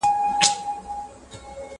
د صوفي په نظر هر څه اصلیت وو!.